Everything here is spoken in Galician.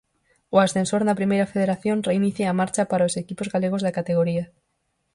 O ascensor na Primeira Federación reinicia a marcha para os equipos galegos da categoría.